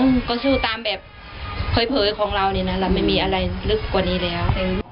อืมก็สู้ตามแบบเผยของเราเนี่ยนะเราไม่มีอะไรลึกกว่านี้แล้ว